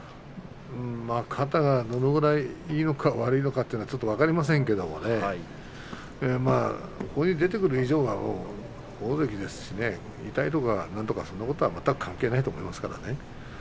肩がどのくらいいいのか悪いのかというのはちょっと分かりませんけれどここに出てくる以上は大関ですし痛いとかなんとかそんなことは全く関係ないと思いますからね。